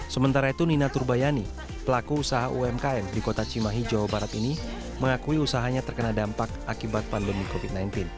sementara itu nina turbayani pelaku usaha umkm di kota cimahi jawa barat ini mengakui usahanya terkena dampak akibat pandemi covid sembilan belas